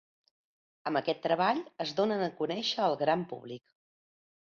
Amb aquest treball, es donen a conèixer al gran públic.